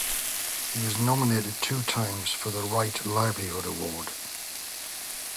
He was nominated two times for the Right Livelihood Award.